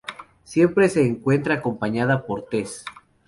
Siempre se encuentra acompañada por Tess.